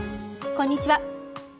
こんにちは。